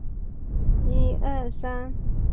巴勒斯坦历史悠久。